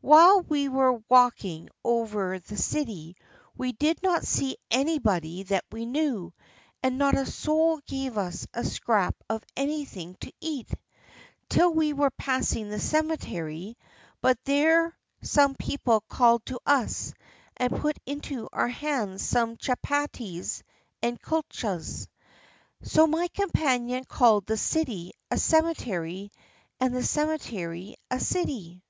"While we were walking over the city we did not see anybody that we knew, and not a soul gave us a scrap of anything to eat, till we were passing the cemetery; but there some people called to us and put into our hands some chapatis and kulchas; so my companion called the city a cemetery, and the cemetery a city."